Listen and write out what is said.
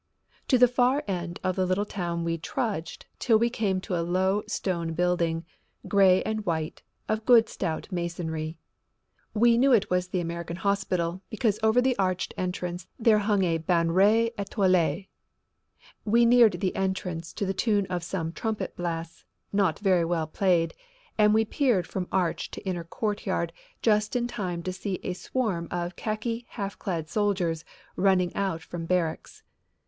To the far end of the little town we trudged till we came to a low stone building, gray and white, of good stout masonry. We knew it was the American hospital because over the arched entrance there hung a "bannière etoilée." We neared the entrance to the tune of some trumpet blasts, not very well played, and we peered from arch to inner court yard just in time to see a swarm of khaki half clad soldiers running out from barracks.